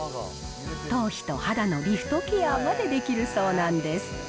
頭皮と肌のリフトケアまでできるそうなんです。